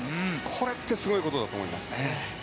これってすごいことだと思います。